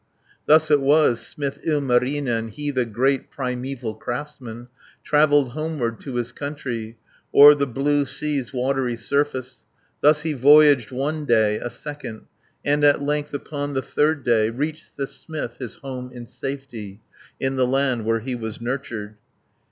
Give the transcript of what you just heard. Thus it was smith Ilmarinen He the great primeval craftsman, 490 Travelled homeward to his country, O'er the blue sea's watery surface. Thus he voyaged one day, a second, And at length upon the third day, Reached the smith his home in safety, In the land where he was nurtured.